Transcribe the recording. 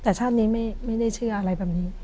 แต่ชาตินี้ไม่ได้เชื่ออะไรแบบนี้